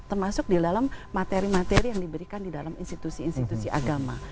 termasuk di dalam materi materi yang diberikan di dalam institusi institusi agama